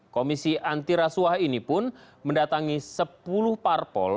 komisi anti rasuah ini pun mendatangi sepuluh parpol